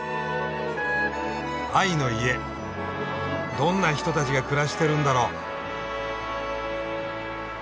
どんな人たちが暮らしてるんだろう？